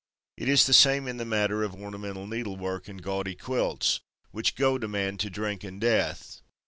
It is the same in the matter of ornamental needlework and gaudy quilts, which goad a man to drink and death.